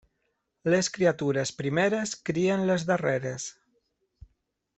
Les criatures primeres crien les darreres.